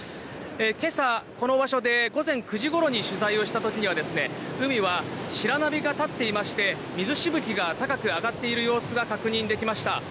今朝、この場所で午前９時ごろに取材をした時には海は白波が立っていまして水しぶきが高く上がっている様子が確認できました。